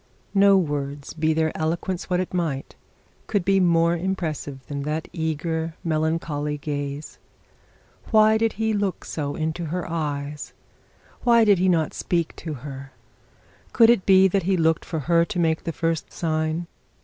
No words, be their eloquence what it might, could be more impressive than that eager, melancholy gaze. Why did he look into her eyes? Why did he not speak to her? Could it be that he looked for her to make the first sign?